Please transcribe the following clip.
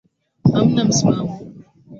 Hamna msimamo.